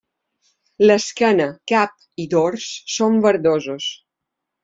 L'esquena, cap i dors són verdosos.